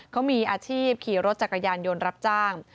เขามีอาชีพขี่รถจักรยานยนต์รับจ้าง